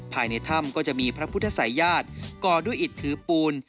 ภายในถ้ำก็จะมีพระพุทธศัยญาติก่อด้วยอิตถือปูน